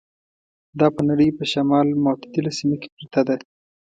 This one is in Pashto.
دا په نړۍ په شمال متعدله سیمه کې پرته ده.